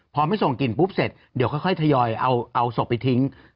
พอไม่ส่งกลิ่นปุ๊บเสร็จเดี๋ยวค่อยทยอยเอาศพไปทิ้ง